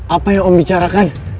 apa yang om bicarakan